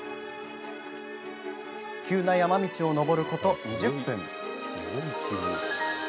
急な山道を登ること２０分。